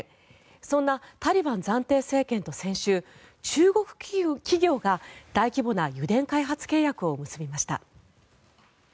そんなタリバン暫定政権と先週中国企業が大規模な油田開発契約を結びました。